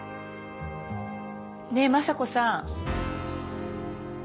ねえ昌子さん。